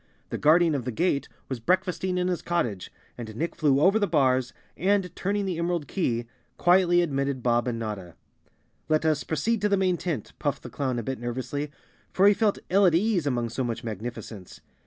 The Guardian of the Gate was breakfasting in his cot¬ tage, and Nick flew over the bars and, turning the em¬ erald key, quietly admitted Bob and Notta. " Let us proceed to the main tent," puffed the clown a bit nervously, for he felt ill at ease among so much magnificence.